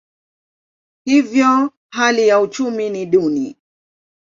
Hivyo hali ya uchumi ni duni.